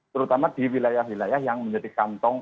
terutama di wilayah wilayah yang menjadi kantong